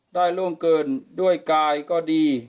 ได้ลุงเกินด้วยกายก็ดี